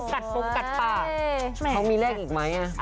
เขามีแรกอีกไหมอะ